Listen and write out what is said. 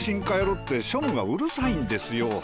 変えろって庶務がうるさいんですよ。